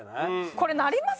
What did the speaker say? これなります？